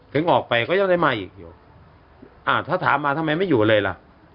ถึงออกไปก็ย้อนได้มาอีกถ้าถามมาทำไมไม่อยู่เลยล่ะ